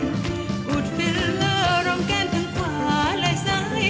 อูดฟิลเลอรองแก้มทั้งขวาและซ้าย